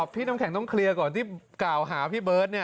พี่น้ำแข็งต้องเคลียร์ก่อนที่กล่าวหาพี่เบิร์ต